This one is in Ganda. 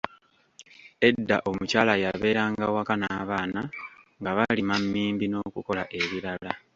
Edda omukyala yabeeranga waka n’abaana nga balima mmimbi n'okukola ebirala.